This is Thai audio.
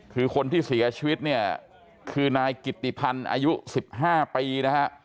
คือคนที่เสียชีวิตเนี่ยคือนายกิตติพันธ์อายุ๑๕ปีนะฮะ